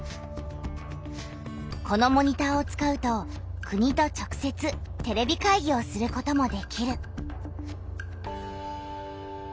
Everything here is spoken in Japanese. このモニターを使うと国と直せつテレビ会議をすることもできる。